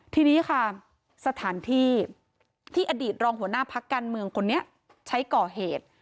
ทีนี้ค่ะสถานที่ที่อดีตรองหัวหน้าพักการเมืองคนนี้ใช้ก่อเหตุ